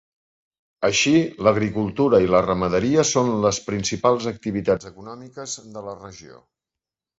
Així, l'agricultura i la ramaderia són les principals activitats econòmiques de la regió.